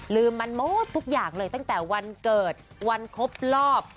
มันหมดทุกอย่างเลยตั้งแต่วันเกิดวันครบรอบ